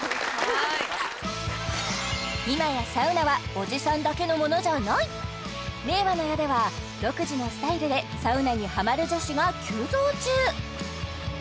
今やサウナはおじさんだけのものじゃない令和の世では独自のスタイルでサウナにハマる女子が急増中！